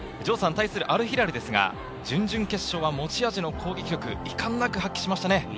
対するアルヒラルですが、準々決勝は持ち味の攻撃力、いかんなく発揮しましたね。